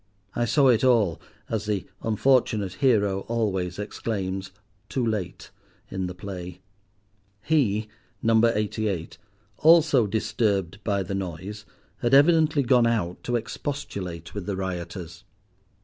I saw it all, as the unfortunate hero always exclaims, too late, in the play. He—number Eighty eight—also disturbed by the noise, had evidently gone out to expostulate with the rioters.